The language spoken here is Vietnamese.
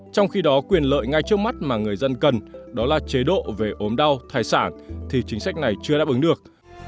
trong khi đó quyền lợi ngay trước mắt mà người dân cần đó là chế độ về ốm đau thai sản thì chính sách này chưa đáp ứng được